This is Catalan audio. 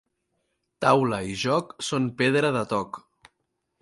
Taula i joc són pedra de toc.